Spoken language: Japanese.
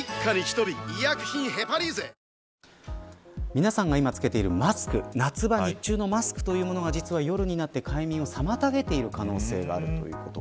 皆さんが今、つけているマスク夏場、日中のマスクというものが実は、夜になって快眠を妨げる可能性があるということ。